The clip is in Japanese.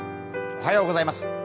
おはようございます。